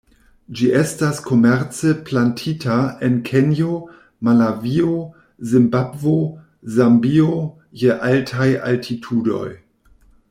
Ĝi estas komerce plantita en Kenjo, Malavio, Zimbabvo, Zambio je altaj altitudoj.